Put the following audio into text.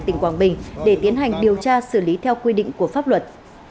tỉnh quảng bình để tiến hành điều tra xử lý theo quy định của pháp luật